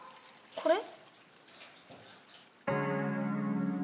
これ？